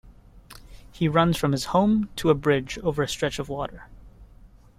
He runs from his home to a bridge over a stretch of water.